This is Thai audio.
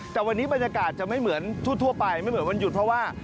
แต่วันนี้บรรยากาศจะไม่เหมือนทั่วไปไม่เหมือนวันหยุดเพราะว่า